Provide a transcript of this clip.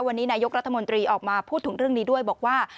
วันนี้นายกรัฐมนตรีออกมาพูดถึงเรื่องนี้ด้วยบอกว่า